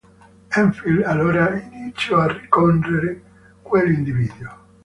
Enfield, allora, iniziò a rincorrere quell'individuo.